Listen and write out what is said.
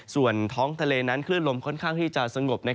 ส่วนท้องทะเลนั้นคลื่นลมค่อนข้างที่จะสงบ